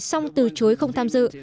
xong từ chối không tham dự